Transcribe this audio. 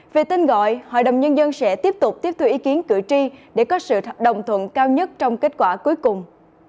về tên gọi hội đồng nhân dân sẽ tiếp tục tiếp thu ý kiến cử tri để có sự đồng thuận cao nhất trong kết quả cuối cùng